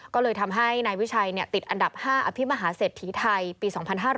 ก็เลยทำให้นายวิชัยติดอันดับ๕อภิมหาเศรษฐีไทยปี๒๕๕๙